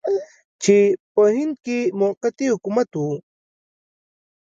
چې په هند کې موقتي حکومت و.